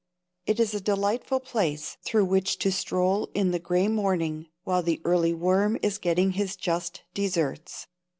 It is a delightful place through which to stroll in the gray morning while the early worm is getting his just desserts.